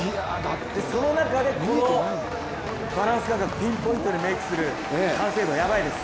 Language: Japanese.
その中でこのバランス感覚ピンポイントでメークする完成度やばいです。